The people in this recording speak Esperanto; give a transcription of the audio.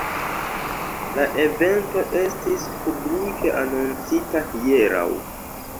La evento estis publike anoncita hieraŭ.